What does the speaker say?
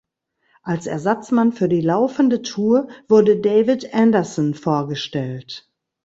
Als Ersatzmann für die laufende Tour wurde David Andersson vorgestellt.